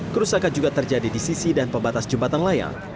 kerusakan juga terjadi di sisi dan pembatas jembatan layang